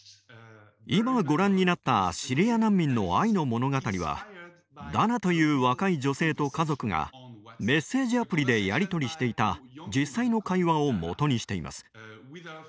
今ご覧になった「シリア難民の愛の物語」はダナという若い女性と家族がメッセージアプリでやり取りしていた実際の会話をもとにしています。